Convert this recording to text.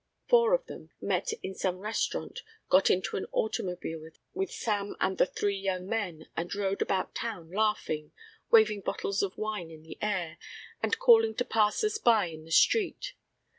Four of them, met in some restaurant, got into an automobile with Sam and the three young men and rode about town laughing, waving bottles of wine in the air, and calling to passers by in the street.